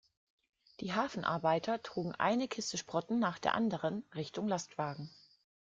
Die Hafenarbeiter trugen eine Kiste Sprotten nach der anderen Richtung Lastwagen.